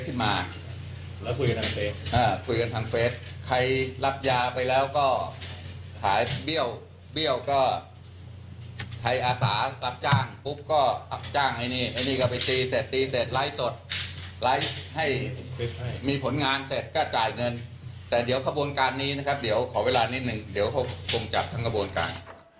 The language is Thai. แต่ครบวงการนี้นะครับเค้าดีละนิดนึงเดี๋ยวเค้าก่มจับทั้งกระบวนการ